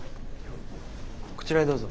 こちらへどうぞ。